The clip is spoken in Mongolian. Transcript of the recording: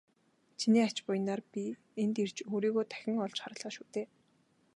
Чиний ач буянаар би энд ирж өөрийгөө дахин олж харлаа шүү дээ.